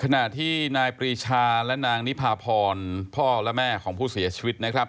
ขณะที่นายปรีชาและนางนิพาพรพ่อและแม่ของผู้เสียชีวิตนะครับ